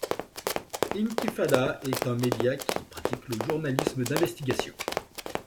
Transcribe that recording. Inkyfada est un média qui pratique le journalisme d'investigation.